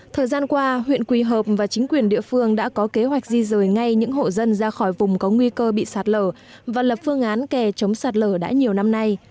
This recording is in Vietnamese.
thời gian qua huyện quỳ hợp và chính quyền địa phương đã có kế hoạch di rời ngay những hộ dân ra khỏi vùng có nguy cơ bị sạt lở và lập phương án kè chống sạt lở đã nhiều năm nay